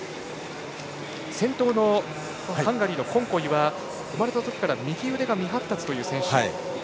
先頭のハンガリーのコンコイは生まれたときから右腕が未発達という選手。